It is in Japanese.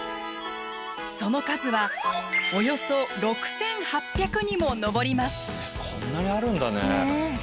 その数はおよそ６，８００にも上ります。